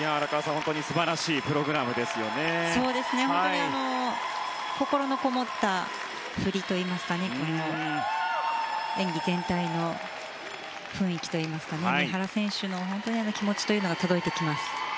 本当に心のこもった振りといいますか演技全体の雰囲気といいますか三原選手の気持ちというのが届いてきます。